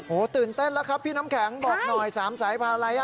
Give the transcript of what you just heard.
โอ้โหตื่นเต้นแล้วครับพี่น้ำแข็งบอกหน่อย๓สายพันธุ์อะไร